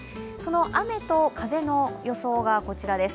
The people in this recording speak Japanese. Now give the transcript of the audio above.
雨と風の予想がこちらです。